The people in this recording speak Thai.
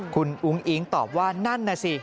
คุณอุ้งอิ๊งตอบว่านั่นน่ะสิ